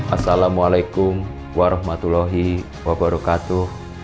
assalamualaikum warahmatullahi wabarakatuh